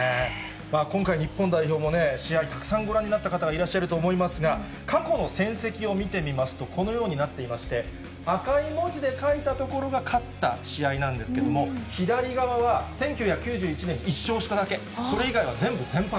今回、日本代表も試合、たくさんご覧になった方がいらっしゃると思いますが、過去の戦績を見てみますと、このようになっていまして、赤い文字で書いたところが勝った試合なんですけれども、左側は１９９１年に１勝しただけ、それ以外は全部全敗。